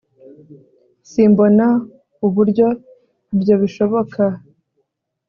simbona uburyo ibyo bishoboka